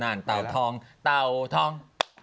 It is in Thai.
เต่าทองเต่าทอง